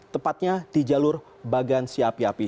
tepatnya di jalur bagan siapi api